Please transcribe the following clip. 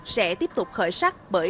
sẽ tiếp tục khởi sắc bởi